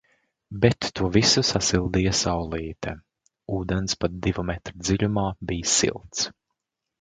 Bet to visu sasildīja Saulīte. Ūdens pat divu metru dziļumā bija silts.